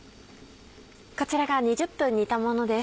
こちらが２０分煮たものです。